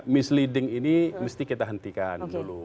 misleading ini mesti kita hentikan dulu